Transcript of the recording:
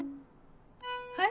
はい？